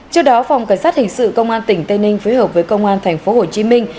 trước đó phòng cảnh sát hình sự công an tỉnh tây ninh phối hợp với công an thành phố hồ chí minh